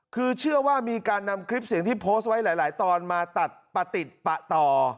คือเชื่อว่ามีการนำคลิปเสียงที่โพสต์ไว้หลายตอนมาตัดประติดปะต่อ